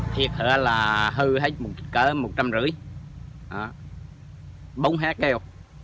thật sự là hư hết một năm trịt bỗng hết keo